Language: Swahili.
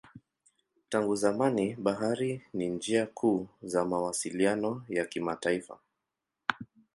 Tangu zamani bahari ni njia kuu za mawasiliano ya kimataifa.